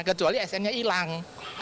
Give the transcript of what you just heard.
kecuali snnya hilang